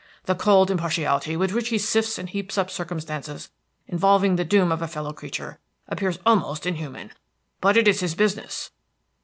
The cold impartiality with which he sifts and heaps up circumstances involving the doom of a fellow creature appears almost inhuman; but it is his business.